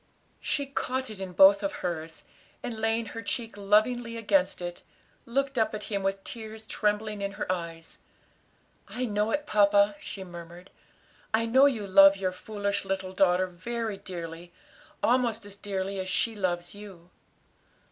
She caught it in both of hers and laying her cheek lovingly against it, looked up at him with tears trembling in her eyes. "I know it, papa," she murmured. "I know you love your foolish little daughter very dearly; almost as dearly as she loves you."